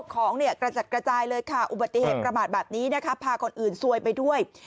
ของเนี่ยกระจัดกระจายเลยค่ะอุบัติเหตุประมาทแบบนี้นะคะพาคนอื่นซวยไปด้วย